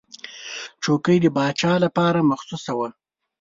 چوکۍ د پاچا لپاره مخصوصه وه.